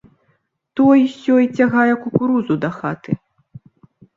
Той-сёй цягае кукурузу дахаты.